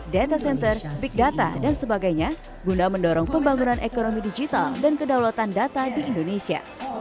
data center big data dan sebagainya guna mendorong pembangunan ekonomi digital dan kedaulatan data di indonesia